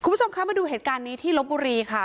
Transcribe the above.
คุณผู้ชมคะมาดูเหตุการณ์นี้ที่ลบบุรีค่ะ